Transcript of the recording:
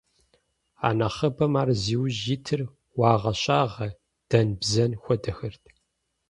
И нэхъыбэм ар зи ужь итыр уагъэ-щагъэ, дэн-бзэн хуэдэхэрт.